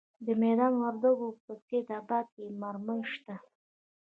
د میدان وردګو په سید اباد کې مرمر شته.